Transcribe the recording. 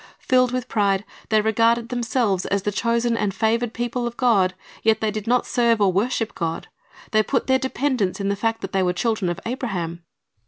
Filled with pride, they regarded themselves as the chosen and favored people of God; yet they did not serve or worship God. They put their dependence in the fact that they were children of Abraham.